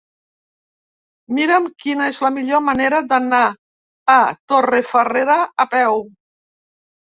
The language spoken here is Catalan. Mira'm quina és la millor manera d'anar a Torrefarrera a peu.